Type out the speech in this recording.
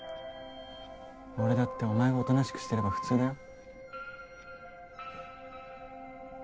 俺だってお前がおとなしくしてれば普通だよ。